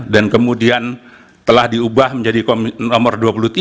dan kemudian telah diubah menjadi nomor dua puluh tiga